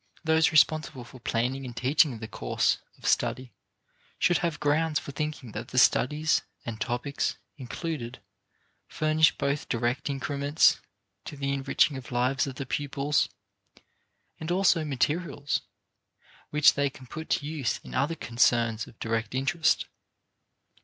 Those responsible for planning and teaching the course of study should have grounds for thinking that the studies and topics included furnish both direct increments to the enriching of lives of the pupils and also materials which they can put to use in other concerns of direct interest.